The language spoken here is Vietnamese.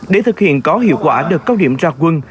để thực hiện có hiệu quả được các điểm trạc quân